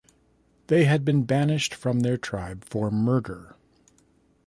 They had been banished from their tribe for murder.